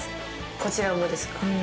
こちらもですか。